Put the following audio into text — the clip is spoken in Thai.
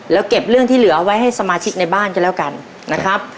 แล้วเก็บเรื่องที่เหลือไว้ให้สมาชิกในบ้านกันแล้วกันนะครับ